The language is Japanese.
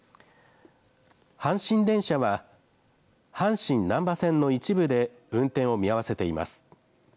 阪神電車は阪神なんば線の一部で運転を見合わせています。